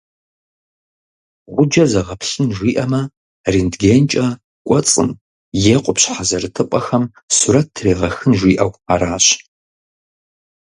Гъуджэ зэгъэплъын жиӏэмэ, рентгенкӀэ кӀуэцӀым е къупщхьэ зэрытыпӀэхэм сурэт трегъэхын жиӏэу аращ.